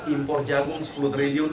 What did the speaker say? impor jagung sepuluh triliun